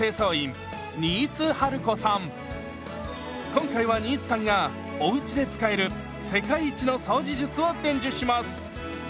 今回は新津さんがおうちで使える世界一の掃除術を伝授します！